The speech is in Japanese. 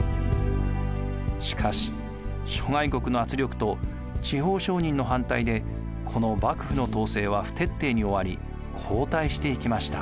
しかし諸外国の圧力と地方商人の反対でこの幕府の統制は不徹底に終わり後退していきました。